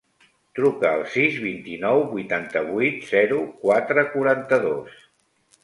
Truca al sis, vint-i-nou, vuitanta-vuit, zero, quatre, quaranta-dos.